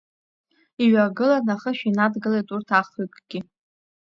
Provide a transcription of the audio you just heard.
Иҩагылан ахышә инадгылеит урҭ ахҩыкгьы.